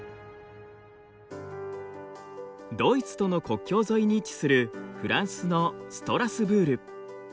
ドイツとの国境沿いに位置するフランスのストラスブール。